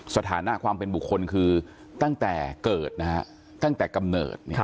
สถานะความเป็นบุคคลคือตั้งแต่เกิดนะฮะตั้งแต่กำเนิด